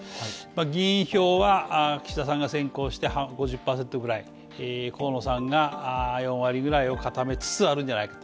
議員票は岸田さんが先行して５０％ぐらい河野さんが４割ぐらいを固めつつあるんじゃないかと